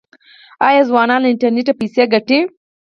آیا ځوانان له انټرنیټ پیسې ګټي؟